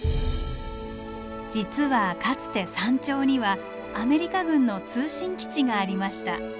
実はかつて山頂にはアメリカ軍の通信基地がありました。